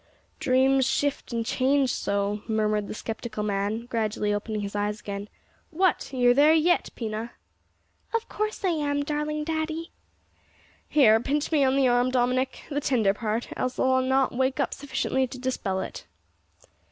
"Dreams shift and change so!" murmured the sceptical man, gradually opening his eyes again "What! you're there yet, Pina?" "Of course I am, darling daddy." "Here, pinch me on the arm, Dominick the tender part, else I'll not waken up sufficiently to dispel it."